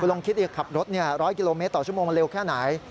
ลองคิดขับรถ๑๐๐กิโลเมตรต่อชั่วโมงมันเร็วแค่ไหน